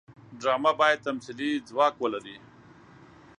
ډرامه باید تمثیلي ځواک ولري